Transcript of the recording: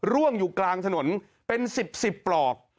ร่วงอยู่กลางถนนเป็น๑๐๑๐ปลอก